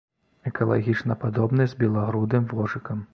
Экалагічна падобны з белагрудым вожыкам.